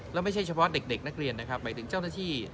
แล้วไม่ใช่เฉพาะเด็กนักเรียนนะครับหมายถึงเจ้าหน้าที่